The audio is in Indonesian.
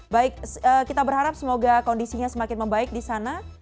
baik kita berharap semoga kondisinya semakin membaik di sana